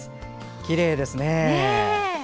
きれいですね。